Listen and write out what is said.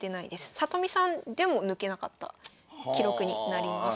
里見さんでも抜けなかった記録になります。